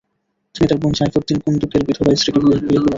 তিনি তার বোন সাইফুদ্দিন কুন্দুকের বিধবা স্ত্রীকে বিয়ে করেন।